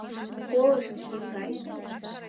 — Колышт, еҥгай.